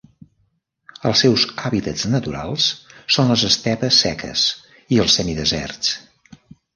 Els seus hàbitats naturals són les estepes seques i els semideserts.